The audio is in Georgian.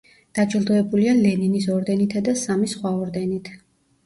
დაჯილდოებულია ლენინის ორდენითა და სამი სხვა ორდენით.